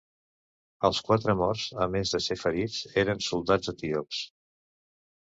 Els quatre morts, a més de set ferits, eren soldats etíops.